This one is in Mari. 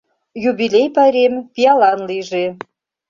— Юбилей пайрем пиалан лийже!